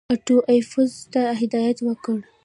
آټو ایفز ته هدایت وکړ.